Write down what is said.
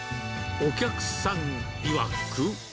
お客さんいわく。